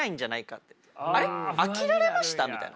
飽きられました？みたいな。